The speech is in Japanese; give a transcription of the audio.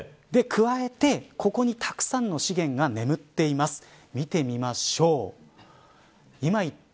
加えて、ここにたくさんの資源が眠っています。